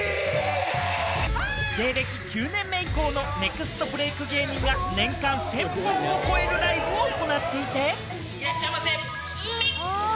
芸歴９年目以降のネクストブレイク芸人が年間１０００本を超えるいらっしゃいませ、み。